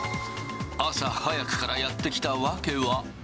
朝早くからやって来た訳は。